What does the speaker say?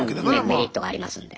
メリットがありますんで。